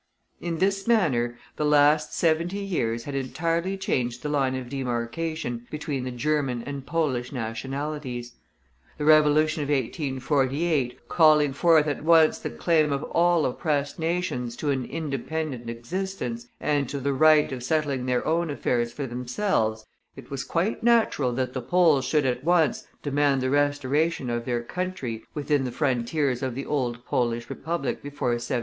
In this manner the last seventy years had entirely changed the line of demarcation between the German and Polish nationalities. The Revolution of 1848 calling forth at once the claim of all oppressed nations to an independent existence, and to the right of settling their own affairs for themselves, it was quite natural that the Poles should at once demand the restoration of their country within the frontiers of the old Polish Republic before 1772.